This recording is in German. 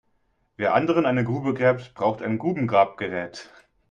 Wer anderen eine Grube gräbt, braucht ein Grubengrabgerät.